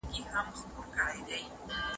هغوی لا تر اوسه خپل درسونه نه دي بشپړ کړي.